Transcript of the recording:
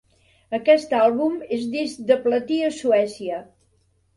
Aquest àlbum és disc de platí a Suècia.